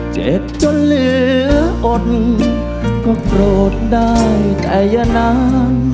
เจ็บจนเหลืออดก็โกรธได้แต่อย่านาน